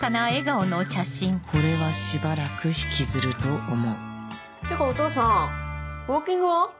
これはしばらく引きずると思うていうかお父さんウオーキングは？